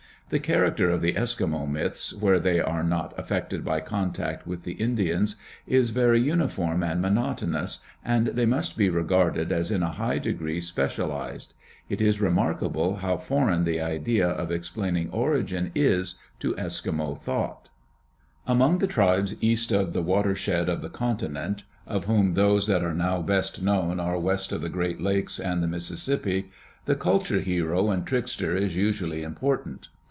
The character of the Eskimo myths where they are not affected by contact with the Indians is very uniform and monot onous and they must be regarded as in a high degree specialized. It is remarkable how foreign the idea of explaining origin is to Eskimo thought. 94 University of California Publications. [AM. ARCH. ETH. Among the tribes east of the water shed of the continent, of whom those that are now best known are west of the Great Lakes and the Mississippi, the culture hero and trickster is usually important.